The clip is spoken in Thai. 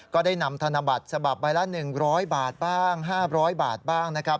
ก็ได้นำธนบัตรฉบับใบละ๑๐๐บาทบ้าง๕๐๐บาทบ้างนะครับ